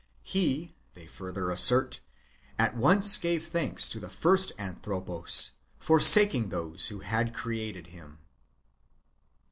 He [they further assert] at once gave thanks to the first Antliropos (man), forsaking those who had created him.